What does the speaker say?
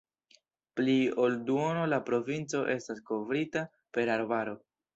Pli ol duono de la provinco estas kovrita per arbaro.